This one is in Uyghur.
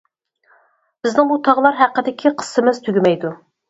بىزنىڭ بۇ تاغلار ھەققىدىكى قىسسىمىز تۈگىمەيدۇ.